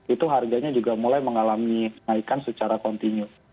itu harganya juga mulai mengalami naikan secara kontinu